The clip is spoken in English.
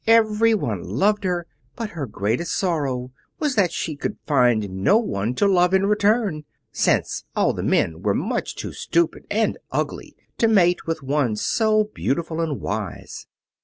Everyone loved her, but her greatest sorrow was that she could find no one to love in return, since all the men were much too stupid and ugly to mate with one so beautiful and wise.